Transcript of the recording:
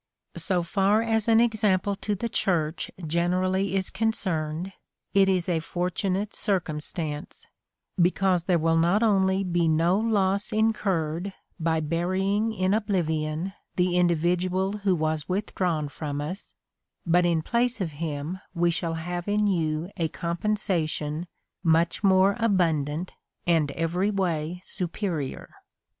So far as an example to the Church generally is concerned, it is a for tunate circumstance ; because there will not only be no loss incurred by burying in oblivion the individual who has with drawn from us, but in place of him we shall have in you a compensation 1 much more abundant and every way superior.